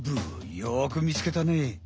よく見つけたね！